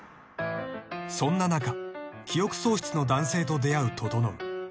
［そんな中記憶喪失の男性と出会う整］